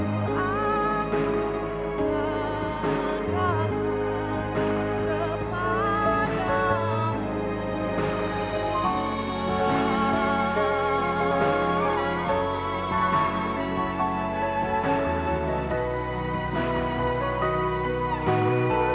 syukur aku sembahkan kehadiran mu